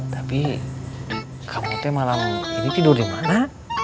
tapi kamu tuh malam ini tidur dimana